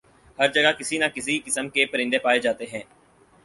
ہر جگہ کسی نہ کسی قسم کے پرندے پائے جاتے ہیں